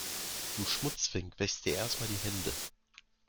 Du Schmutzfink wäschst dir erst mal die Hände.